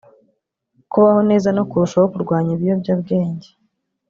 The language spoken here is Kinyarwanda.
kubaho neza no kurushaho kurwanya ibiyobyabwenge